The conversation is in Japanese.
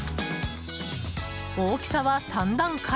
大きさは３段階。